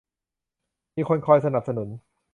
มีคนคอยสนับสนุน